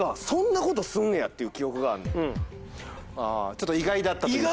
ちょっと意外だったという感じ？